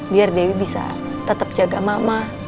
biar dewi bisa tetap jaga mama